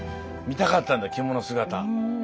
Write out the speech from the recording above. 見たかったんだ着物姿。